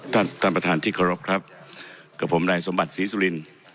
ท่านประธานที่เคารพครับกับผมนายสมบัติศรีสุรินทร์